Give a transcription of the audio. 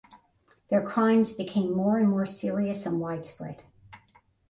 Their crimes became more and more serious and widespread.